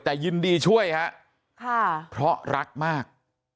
แต่ยินดีช่วยฮะค่ะเพราะรักมาก